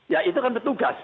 ya itu kan petugas